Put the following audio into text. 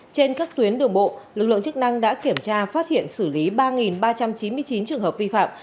trên các tuyến đường bộ lực lượng chức năng đã kiểm tra phát hiện xử lý ba ba trăm chín mươi chín trường hợp vi phạm